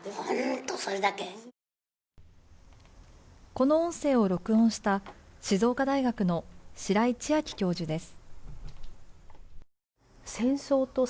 この音声を録音した静岡大学の白井千晶教授です。